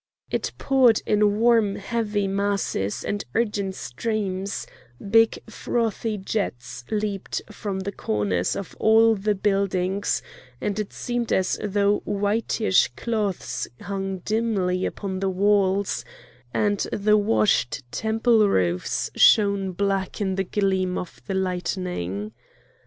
It poured in warm heavy masses and urgent streams; big frothy jets leaped from the corners of all the buildings; and it seemed as though whitish cloths hung dimly upon the walls, and the washed temple roofs shone black in the gleam of the lightning.